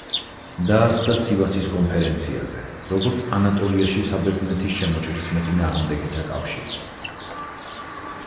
დაარსდა სივასის კონფერენციაზე, როგორც ანატოლიაში საბერძნეთის შემოჭრის მოწინააღმდეგეთა კავშირი.